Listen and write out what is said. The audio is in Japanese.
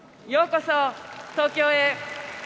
ようこそ東京へ。